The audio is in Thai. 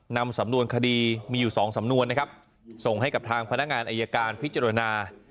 นำสำนวนคดีมีอยู่สองสำนวนนะครับส่งให้กับทางพนักงานอายการพิจารณา